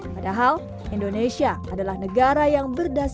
padahal indonesia adalah negara yang berdasarkan